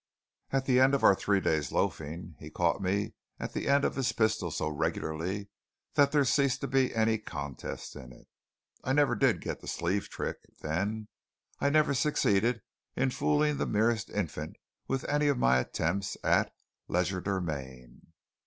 At the end of our three days' loafing he caught me at the end of his pistol so regularly that there ceased to be any contest in it. I never did get the sleeve trick; but then, I never succeeded in fooling the merest infant with any of my attempts at legerdemain.